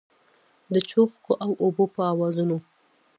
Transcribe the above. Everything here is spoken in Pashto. د چوغکو او اوبو په آوازونو